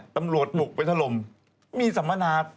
ตำรวจบุกไปถล่มมีสัมมนา